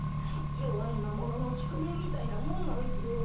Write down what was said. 弱い魔物の宿命みたいなもんなんすよ。